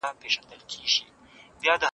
د نوي نسل زده کړه څنګه وه؟